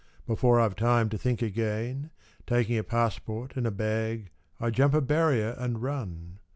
Before Fve time to think again. Taking a passport and a bag I jump a barrier and run.